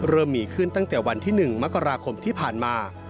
เริ่มมีขึ้นตั้งแต่วันที่๑มกราคมที่ผ่านมา